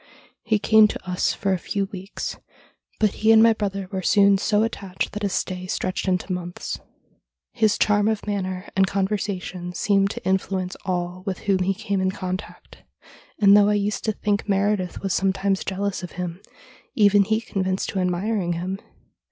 He came to us for a few weeks, but he and my brother were soon so attached that his stay stretched into months. His charm of manner and conversa tion seemed to influence all with whom he came in contact, and, though I used to think Meredith was sometimes jealous of him, even he confessed to admiring him.